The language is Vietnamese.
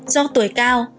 do tuổi cao